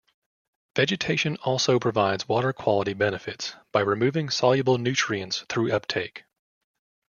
Vegetation also provides water quality benefits by removing soluble nutrients through uptake.